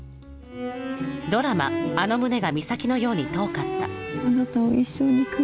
ドラマ、あの胸が岬のように遠かった。